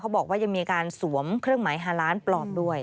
บอกว่ายังมีการสวมเครื่องหมายฮาล้านปลอมด้วย